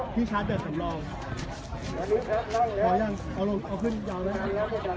มีผู้ที่ได้รับบาดเจ็บและถูกนำตัวส่งโรงพยาบาลเป็นผู้หญิงวัยกลางคน